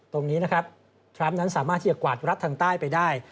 ตรงนี้นะครับทรัมป์นั้นสามารถที่จะกวาดรัดทางใต้ไปได้